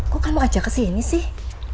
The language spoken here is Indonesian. kok kamu ajak kesini sih